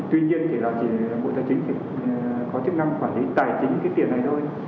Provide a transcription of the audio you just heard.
tuy nhiên thì là chỉ bộ tài chính phải có chức năng quản lý tài chính cái tiền này thôi